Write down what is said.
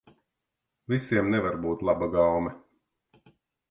Visiem nevar būt laba gaume.